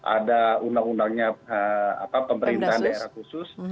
ada undang undangnya pemerintahan daerah khusus